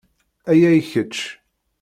Aya i kečč.